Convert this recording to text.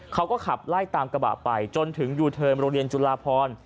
เขาก็ขับไล่ตามกระบะไปจนถึงยูเทิร์นโรงเรียนจุฬาพร